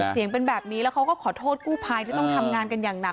เสียงเป็นแบบนี้แล้วเขาก็ขอโทษกู้ภัยที่ต้องทำงานกันอย่างหนัก